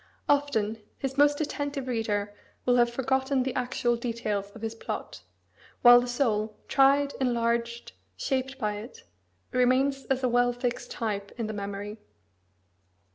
Often, his most attentive reader will have forgotten the actual details of his plot; while the soul, tried, enlarged, shaped by it, remains as a well fixed type in the memory.